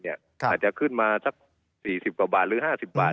อาจจะขึ้นมาสัก๔๐กว่าบาทหรือ๕๐บาท